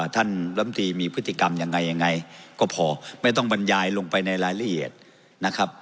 ลำตีมีพฤติกรรมยังไงยังไงก็พอไม่ต้องบรรยายลงไปในรายละเอียดนะครับ